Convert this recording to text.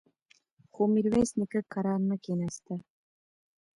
خو ميرويس نيکه کرار نه کېناسته.